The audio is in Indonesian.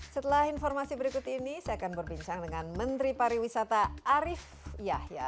setelah informasi berikut ini saya akan berbincang dengan menteri pariwisata arief yahya